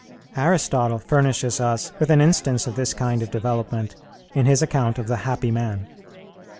Aristotle furnishes us with an instance of this kind of development in his account of the happy man.